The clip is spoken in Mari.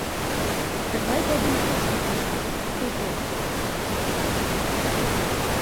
Тыгай годым тушто тудо — уто.